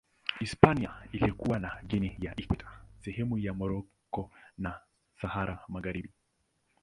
Hispania ilikuwa na Guinea ya Ikweta, sehemu za Moroko na Sahara Magharibi.